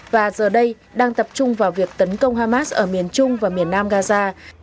và giờ đây đang tập trung vào việc tấn công hamas ở miền trung và miền nam gaza